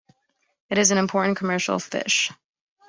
It is an important commercial fish.